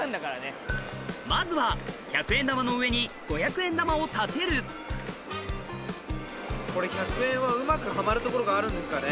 まずは１００円玉の上に５００円玉を立てるこれ１００円はうまくはまる所があるんですかね？